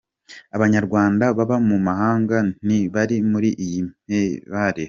Abanyarwanda baba mu mahanga nti bari muri iyi mibare.